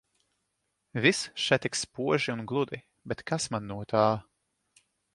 Viss še tik spoži un gludi, bet kas man no tā.